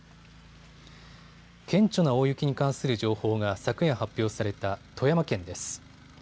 顕著な大雪に関する情報が昨夜発表された富山県です。